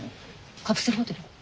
カプセルホテル？